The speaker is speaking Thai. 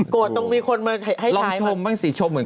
โกรธต้องมีคนมาให้ใช้มัน